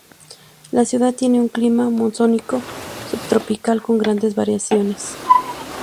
La ciudad tiene un clima monzónico subtropical con grandes variaciones.